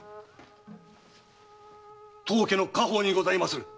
当家の家宝にございます。